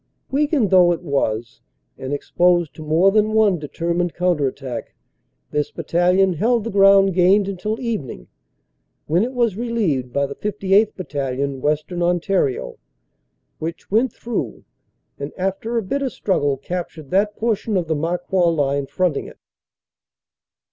Weakened though it was and exposed to more than one determined counter attack, this bat talion held the ground gained until evening, when it was re lieved by the 58th. Battalion, Western Ontario, which went through and after a bitter struggle captured that portion of the Marcoing line fronting it.